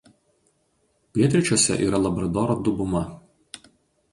Pietryčiuose yra Labradoro dubuma.